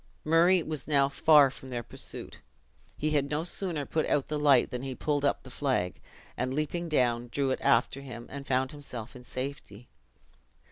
Murray was now far from their pursuit. He had no sooner put out the light, than he pulled up the flag, and leaping down, drew it after him, and found himself in safety.